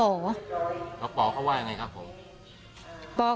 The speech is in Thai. แล้วปอเค้าว่าอย่างงี้ครับผม